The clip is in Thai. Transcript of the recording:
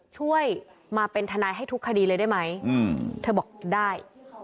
ช่วยมาเป็นทนายให้ทุกคดีเลยได้ไหมเธอบอกได้